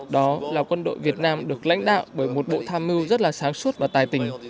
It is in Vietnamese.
đó là quân đội việt nam được lãnh đạo bởi một bộ tham mưu rất là sáng suốt và tài tình